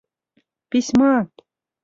Письма!..